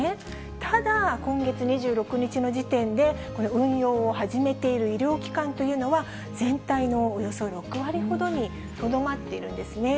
ただ、今月２６日の時点で、運用を始めている医療機関というのは、全体のおよそ６割ほどにとどまっているんですね。